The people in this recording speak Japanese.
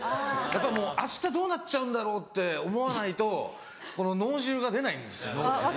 やっぱりもう明日どうなっちゃうんだろうって思わないとこの脳汁が出ないんですよ。